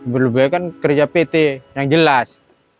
berlebih lebih kan kerja pt yang jelas